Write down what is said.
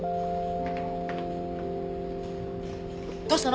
どうしたの？